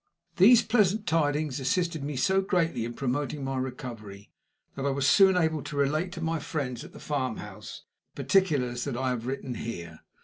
These pleasant tidings assisted so greatly in promoting my recovery, that I was soon able to relate to my friends at the farmhouse the particulars that I have written here.